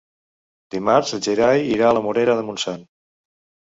Dimarts en Gerai irà a la Morera de Montsant.